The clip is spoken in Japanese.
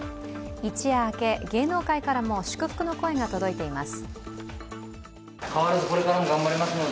一夜明け、芸能界からも祝福の声が届いています。